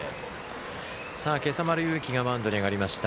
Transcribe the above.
今朝丸裕喜がマウンドに上がりました。